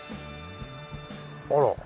あら。